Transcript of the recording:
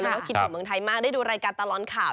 ต้องคิดถึงเมืองไทยมากได้ดูรายการตลอดข่าว